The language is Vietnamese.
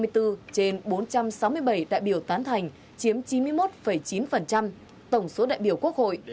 trên bốn trăm sáu mươi bảy đại biểu tán thành chiếm chín mươi một chín tổng số đại biểu quốc hội